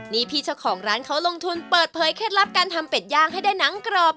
นี่พี่เจ้าของร้านเขาลงทุนเปิดเผยเคล็ดลับการทำเป็ดย่างให้ได้หนังกรอบ